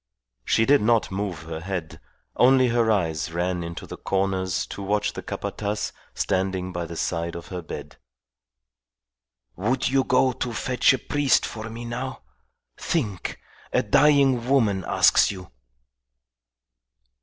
She did not move her head; only her eyes ran into the corners to watch the Capataz standing by the side of her bed. "Would you go to fetch a priest for me now? Think! A dying woman asks you!"